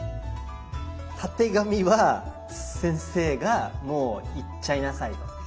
たてがみは先生がもういっちゃいなさいと。